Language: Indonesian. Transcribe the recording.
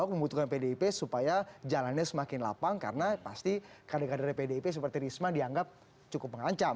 membutuhkan pdip supaya jalannya semakin lapang karena pasti kader kader pdip seperti risma dianggap cukup mengancam